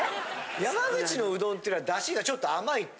山口のうどんっていうのは出汁がちょっと甘いって。